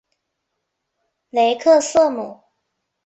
雷克瑟姆。